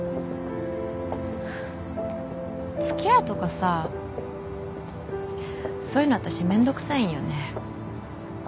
つきあうとかさそういうの私めんどくさいんよね。